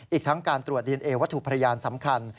อีกทั้งการตรวจดีเอนเอวัตถุพยานสำคัญ